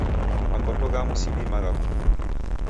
Makoto ghamu sidimagha kutumbulia.